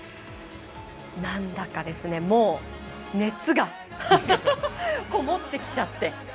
なんだか、もう熱がこもってきちゃって。